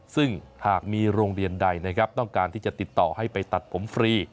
ซึ่งหากมีโรงเรียนใดนะครับต้องการที่จะติดต่อให้ไปตัดผมฟรี